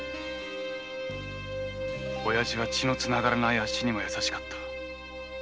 親父は血のつながらないあっしにも優しかった。